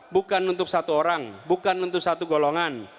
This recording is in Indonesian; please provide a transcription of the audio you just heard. bukan untuk satu orang bukan untuk satu golongan